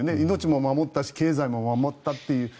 命も守ったし経済も守ったっていう。